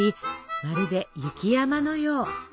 まるで雪山のよう。